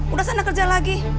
udah sana kerja lagi